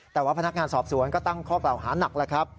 แต่ว่าพนักงานสอบสวนก็ตั้งข้อกล่าวหานักแล้วครับ